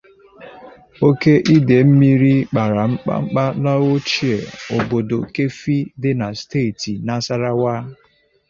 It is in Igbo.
Oke idei mmiri kpara mkpamkpa n'ochie obodo Keffi dị na steeti Nasarawa